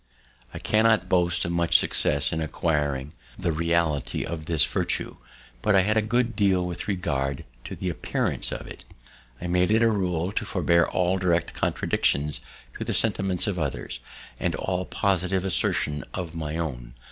I cannot boast of much success in acquiring the reality of this virtue, but I had a good deal with regard to the appearance of it. I made it a rule to forbear all direct contradiction to the sentiments of others, and all positive assertion of my own.